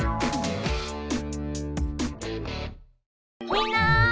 みんな！